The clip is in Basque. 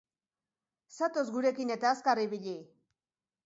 Zatoz gurekin eta azkar ibili!